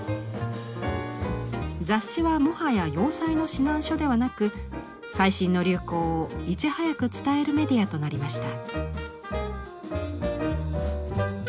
雑誌はもはや洋裁の指南書ではなく最新の流行をいち早く伝えるメディアとなりました。